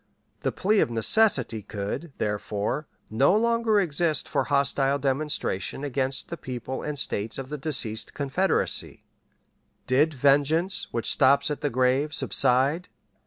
The plea of necessity could, therefore, no longer exist for hostile demonstration against the people and States of the deceased Confederacy. Did vengeance, which stops at the grave, subside?